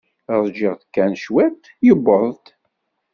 Ṛjiɣ kan cwiṭ, yuweḍ-d.